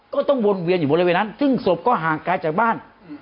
ก็ต้องวนเวียนอยู่บริเวณนั้นซึ่งศพก็ห่างไกลจากบ้าน